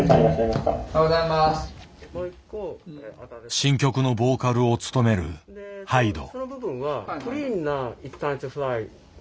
新曲のボーカルを務めるＨＹＤＥ。